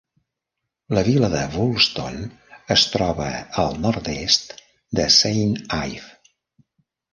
La vila de Woolston es troba al nord-est de Saint Ive.